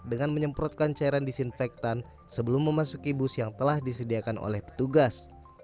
dengan menyemprotkan cairan disinfektan sebelum memasuki bus yang telah disediakan oleh petugas